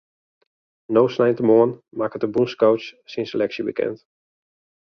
No sneintemoarn makket de bûnscoach syn seleksje bekend.